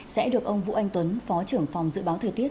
sẽ được ông vũ anh tuấn phó trưởng phòng dự báo thời tiết